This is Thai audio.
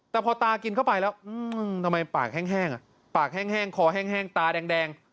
แต่พอตากินเข้าไปแล้วทำไมปากแห้งปากแห้งคอแห้งตาแดง